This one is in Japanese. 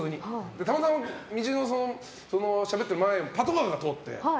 たまたましゃべってる道の前をパトカーが通って。